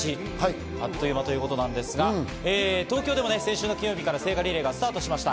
あっという間ということなんですが、東京でも先週金曜日から聖火リレーがスタートしました。